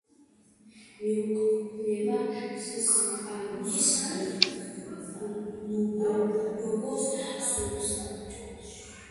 მიეკუთვნება სტაროსუბხანგულოვოს სოფსაბჭოს.